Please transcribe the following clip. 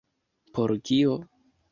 Por kio?